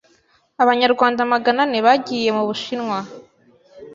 Abanyarwanda Magana ane bagiye mu Bushinwa